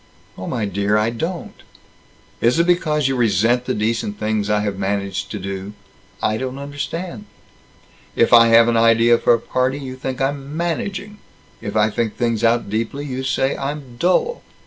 "Oh, my dear, I don't." "Is it because you resent the decent things I have managed to do?" "I don't understand." "If I have an idea for a party, you think I'm 'managing.' If I think things out deeply, you say I'm dull."